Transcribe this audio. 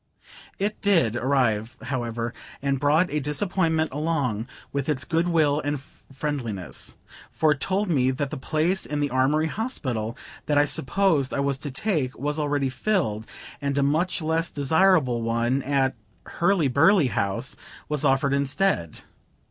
It did arrive however, and brought a disappointment along with its good will and friendliness, for it told me that the place in the Armory Hospital that I supposed I was to take, was already filled, and a much less desirable one at Hurly burly House was offered instead.